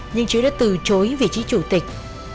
nhưng chứ đã từ chối vị trí chủ tịch